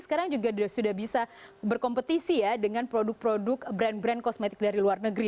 sekarang juga sudah bisa berkompetisi ya dengan produk produk brand brand kosmetik dari luar negeri